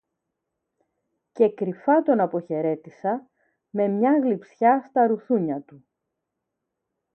Και κρυφά τον αποχαιρέτησα, με μια γλειψιά στα ρουθούνια του